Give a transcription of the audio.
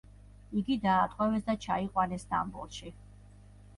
იგი დაატყვევეს და ჩაიყვანეს სტამბოლში.